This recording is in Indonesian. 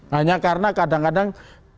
hanya karena kadang kadang